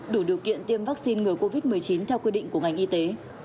đủ điều kiện tiêm vaccine ngừa covid một mươi chín theo quy định của ngành y tế